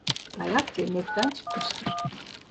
Dayak cennetten çıkmıştır.